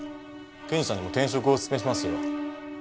検事さんにも転職をおすすめしますよ。